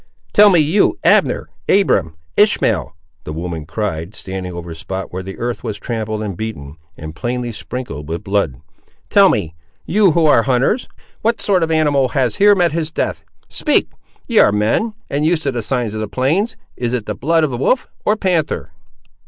"Tell me, you Abner—Abiram—Ishmael!" the woman cried, standing over a spot where the earth was trampled and beaten, and plainly sprinkled with blood; "tell me, you who ar' hunters! what sort of animal has here met his death?—Speak!—Ye ar' men, and used to the signs of the plains; is it the blood of wolf or panther?"